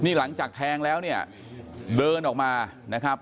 นี่หลังจากแทงแล้วเนี่ยเดินออกมานะครับ